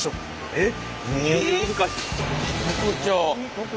えっ？